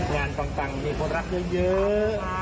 งานต่างมีคนรักเยอะ